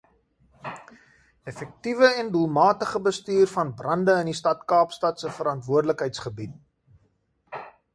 Effektiewe en doelmatige bestuur van brande in die Stad Kaapstad se verantwoordelikheidsgebied.